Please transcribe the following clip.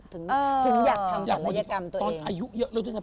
ถึงอยากทำศัลยกรรมตัวเอง